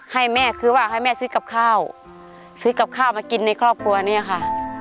ให้แม่คือว่าให้แม่ซื้อกับข้าวซื้อกับข้าวมากินในครอบครัวเนี่ยค่ะ